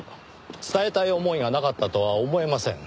伝えたい思いがなかったとは思えません。